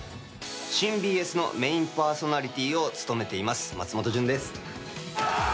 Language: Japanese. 新ＢＳのメインパーソナリティーを務めています、松本潤です。